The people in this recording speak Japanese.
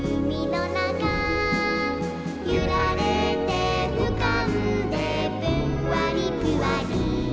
「ゆられてうかんでぷんわりぷわり」